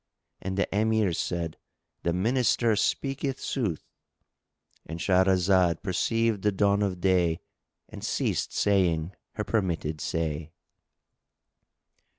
And the Emirs said, "The Minister speaketh sooth"!——And Shahrazad perceived the dawn of day and ceased saying her permitted say.